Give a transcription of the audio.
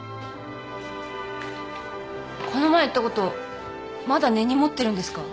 この前言ったことまだ根に持ってるんですか？